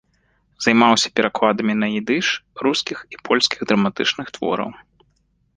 Займаўся перакладамі на ідыш рускіх і польскіх драматычных твораў.